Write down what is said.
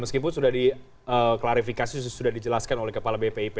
meskipun sudah diklarifikasi sudah dijelaskan oleh kepala bpip